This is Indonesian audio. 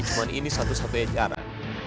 cuma ini satu satu ya cara